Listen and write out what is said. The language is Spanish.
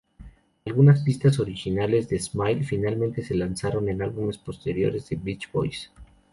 Algunas pistas originales de "Smile" finalmente se lanzaron en álbumes posteriores de Beach Boys.